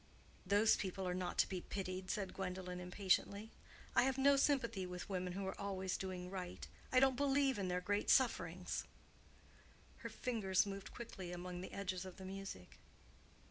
"Those people are not to be pitied," said Gwendolen, impatiently. "I have no sympathy with women who are always doing right. I don't believe in their great sufferings." Her fingers moved quickly among the edges of the music.